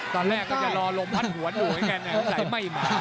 ตอนแรกก็จะรอลมวัดหัวดูไอ้แกน่ะใส่ไหม้มา